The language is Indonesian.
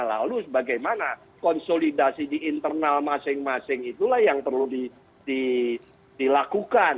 lalu bagaimana konsolidasi di internal masing masing itulah yang perlu dilakukan